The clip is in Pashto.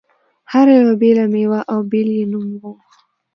هر یوې بېله مېوه او بېل یې نوم و.